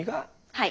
はい。